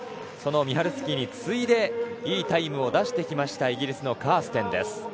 そのミハルスキーに次いでいいタイムを出してきたイギリスのカーステンです。